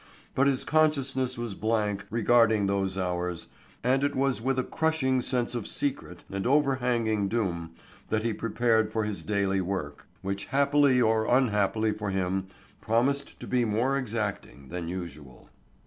But his consciousness was blank regarding those hours, and it was with a crushing sense of secret and overhanging doom that he prepared for his daily work, which happily or unhappily for him promised to be more exacting than usual.